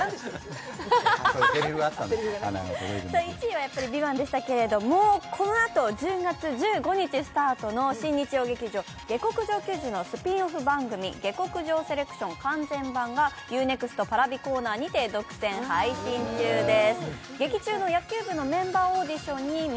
１位は「ＶＩＶＡＮＴ」でしたがこのあと１０月１５日スタートの新日曜劇場、「下剋上球児」のスピンオフ番組「下剋上セレクション完全版」がＵ−ＮＥＸＴＰａｒａｖｉコーナーにて独占配信中です。